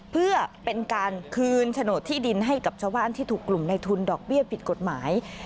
เพื่อเป็นการคืนโฉนดที่ดินให้กับชาวบ้านที่ถูกกลุ่มในทุนดอกเบี้ยผิดกฎหมาย